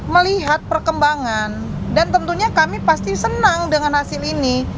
melihat perkembangan dan tentunya kami pasti senang dengan hasil ini